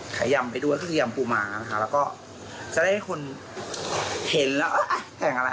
ยำไปด้วยก็คือยำปูม้านะคะแล้วก็จะได้ให้คนเห็นแล้วแต่งอะไร